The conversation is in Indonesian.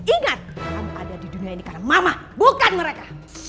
ingat kamu ada di dunia ini karena mamah bukan mereka